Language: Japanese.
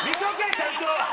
ちゃんと。